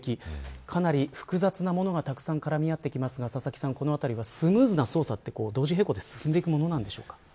かなり複雑なものがたくさん絡み合ってきますが佐々木さん、このあたりはスムーズな捜査は同時並行で進んでいくものなんでしょうか。